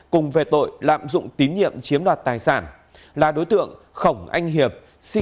cùng về tội lạm dụng tín nhiệm chiếm đoạt tài sản là đối tượng khổng anh hiệp